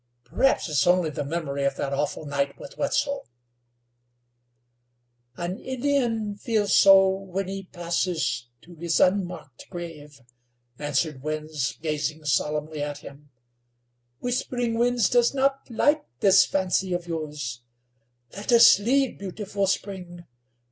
Perhaps, it's only the memory of that awful night with Wetzel." "An Indian feels so when he passes to his unmarked grave," answered Winds, gazing solemnly at him. "Whispering Winds does not like this fancy of yours. Let us leave Beautiful Spring.